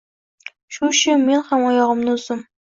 Shu-shu men ham oyog`imni uzdim